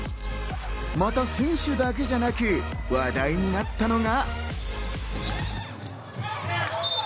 また選手だけじゃなく話題になったのが。